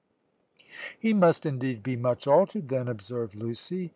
"He must indeed be much altered then," observed Lucy.